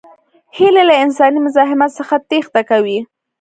هیلۍ له انساني مزاحمت څخه تېښته کوي